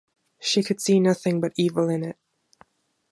She could see nothing but evil in it.